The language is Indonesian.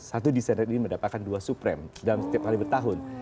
satu desainer ini mendapatkan dua supreme dalam setiap kali bertahun